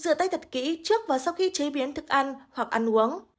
rửa tay thật kỹ trước và sau khi chế biến thức ăn hoặc ăn uống